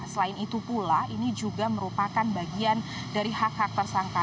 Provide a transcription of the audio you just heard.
selain itu pula ini juga merupakan bagian dari hak hak tersangka